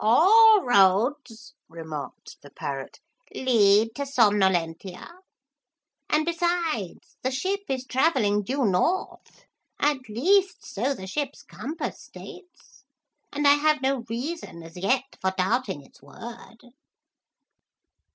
'All roads,' remarked the parrot, 'lead to Somnolentia. And besides the ship is travelling due north at least so the ship's compass states, and I have no reason as yet for doubting its word.'